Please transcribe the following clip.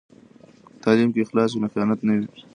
که په تعلیم کې اخلاص وي نو خیانت نه وي.